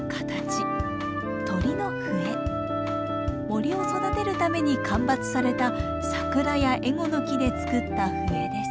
森を育てるために間伐されたサクラやエゴノキで作った笛です。